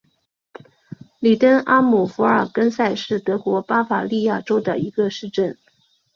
里登阿姆福尔根塞是德国巴伐利亚州的一个市镇。